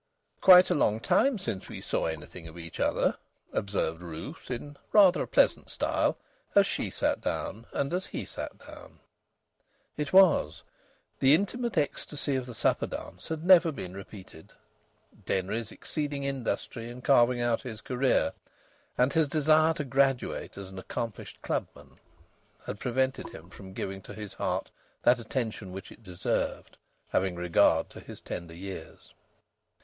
"Quite a long time since we saw anything of each other," observed Ruth in rather a pleasant style, as she sat down and as he sat down. It was. The intimate ecstasy of the supper dance had never been repeated. Denry's exceeding industry in carving out his career, and his desire to graduate as an accomplished clubman, had prevented him from giving to his heart that attention which it deserved, having regard to his tender years.